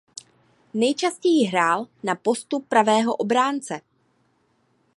Nejčastěji hrál na postu pravého obránce.